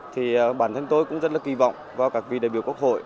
thì bản thân tôi cũng rất là kỳ vọng vào các vị đại biểu quốc hội